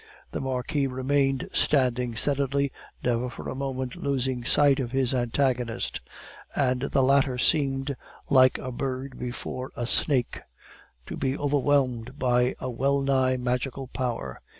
The Marquis remained standing steadily, never for a moment losing sight of his antagonist; and the latter seemed, like a bird before a snake, to be overwhelmed by a well nigh magical power.